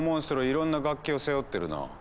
いろんな楽器を背負ってるな。